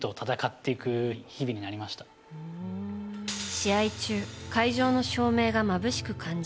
試合中会場の照明がまぶしく感じ